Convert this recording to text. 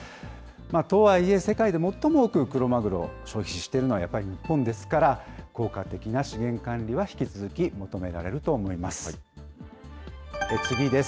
とはいえ、世界で最も多くクロマグロを消費しているのはやっぱり日本ですから、効果的な資源管理は引き続き求められると思います。